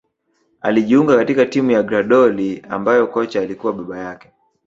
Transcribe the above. Alijiunga katika timu ya Grahdoli ambayo kocha alikuwa baba yake